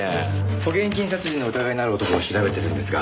保険金殺人の疑いのある男を調べているんですが。